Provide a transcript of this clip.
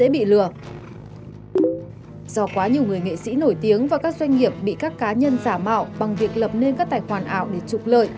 bằng việc lập nên các tài khoản ảo để trục lợi